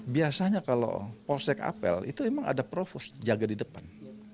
biasanya kalau polsek apel itu memang ada provos jaga di depan